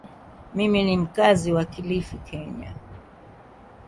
Mimi ni mkazi wa Kilifi, Kenya.